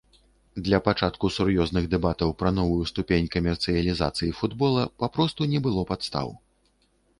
Для пачатку сур'ёзных дэбатаў пра новую ступень камерцыялізацыі футбола папросту не было падстаў.